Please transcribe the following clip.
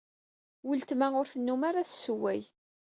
Weltma ur tennum ara tessewway.